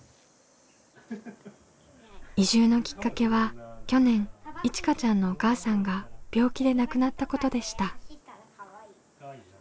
移住のきっかけは去年いちかちゃんのお母さんが病気で亡くなったことでした。